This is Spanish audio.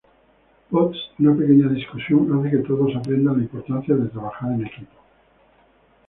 Potts, una pequeña discusión hace que todos aprendan la importancia de trabajar en equipo.